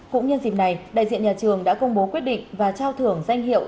cũng nhân dịp này đại diện nhà trường đã công bố quyết định và trao thưởng danh hiệu